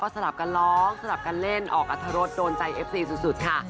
สลับกันร้องสลับกันเล่นออกอัตรรสโดนใจเอฟซีสุดค่ะ